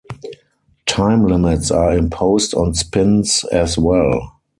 Time limits are imposed on spins as well.